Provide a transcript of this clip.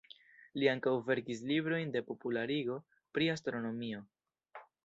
Li ankaŭ verkis librojn de popularigo pri astronomio.